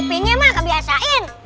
pokoknya mah kebiasaan